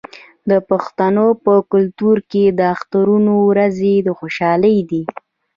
د پښتنو په کلتور کې د اخترونو ورځې د خوشحالۍ دي.